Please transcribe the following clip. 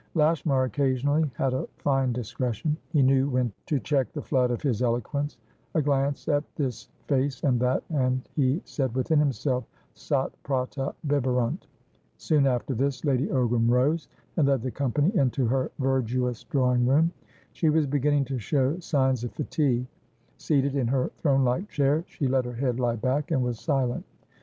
Lashmar occasionally had a fine discretion. He knew when to cheek the flood of his eloquence: a glance at this face and that, and he said within himself: Sat prata biberunt. Soon after this, Lady Ogram rose, and led the company into her verdurous drawing room. She was beginning to show signs of fatigue; seated in her throne like chair, she let her head lie back, and was silent.